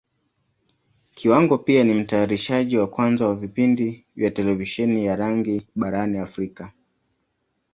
Kiwango pia ni Mtayarishaji wa kwanza wa vipindi vya Televisheni ya rangi barani Africa.